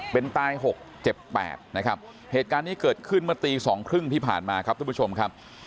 เป็นตาย๖เจ็บ๘นะครับเหตุการณ์นี้เกิดขึ้นเมื่อตีสองครึ่งที่ผ่านมาครับทุกผู้ชมครับ